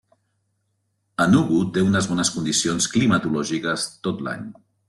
Enugu té unes bones condicions climatològiques tot l'any.